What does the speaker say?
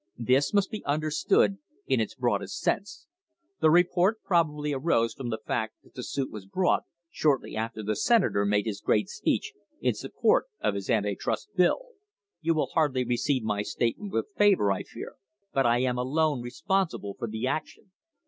This must be understood in its broadest sense. The report probably arose from the fact that the action was brought shortly after the Senator made his great speech in support of his anti trust bill. You will hardly receive my statement with favour, I fear, but I am alone responsible for the action.